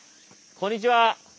・こんにちは。